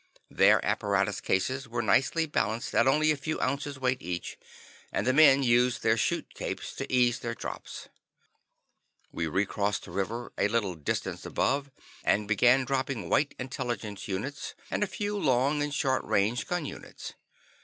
Their apparatus cases were nicely balanced at only a few ounces weight each, and the men used their chute capes to ease their drops. We recrossed the river a little distance above and began dropping White Intelligence units and a few long and short range gun units.